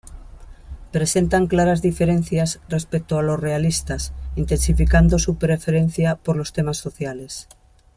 Presentan claras diferencias respecto a los realistas, intensificando su preferencia por los temas sociales.